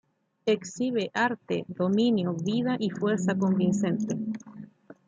Exhibe arte, dominio, vida y fuerza convincente.